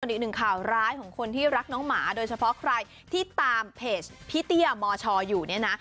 อีกหนึ่งข่าวร้ายของคนที่รักน้องหมาโดยเฉพาะใครที่ตามเพจพี่เตี้ยมชอยู่เนี่ยนะ